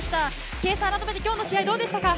圭さん、改めてきょうの試合どうでしたか？